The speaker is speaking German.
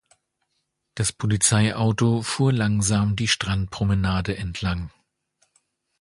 Das Polizeiauto fuhr langsam die Strandpromenade entlang.